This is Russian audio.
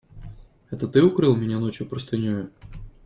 Это ты укрыл меня ночью простынею?